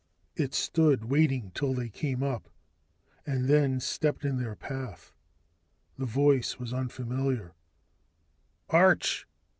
It stood waiting till they came up, and then stepped in their path. The voice was unfamiliar: "Arch?"